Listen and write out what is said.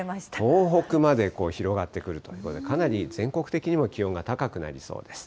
東北まで広がってくるということで、かなり全国的にも気温が高くなりそうです。